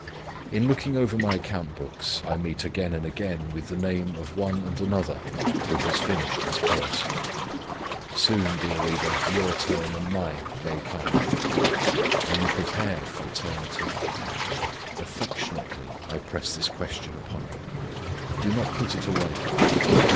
"In looking over my account books, I meet again and again with the name of one and another who has finished his course. Soon, dear reader, your turn and mine may come. Are you prepared for eternity? Affectionately I press this question upon you. Do not put it away.